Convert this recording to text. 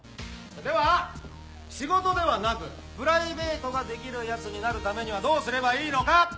では仕事ではなくプライベートができるヤツになるためにはどうすればいいのか？